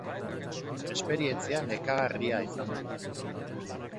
Esperientzia nekagarria izan da.